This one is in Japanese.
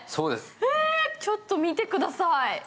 えー、ちょっと見てください。